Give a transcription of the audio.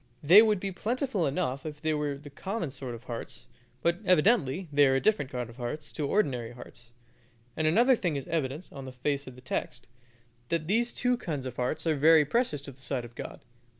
They would be plentiful enough if they were the common sort of hearts, but evidently they are a different kind of hearts to ordinary hearts; and another thing is evident on the face of the text, that these kind of hearts are very precious in the sight of God.